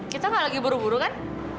kita gak lagi buru buru kan